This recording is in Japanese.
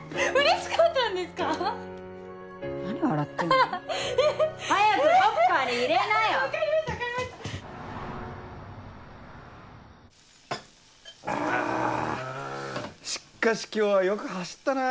しかし今日はよく走ったなぁ。